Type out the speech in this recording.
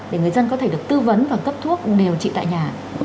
để người dân có thể được tư vấn và cấp thuốc điều trị tại nhà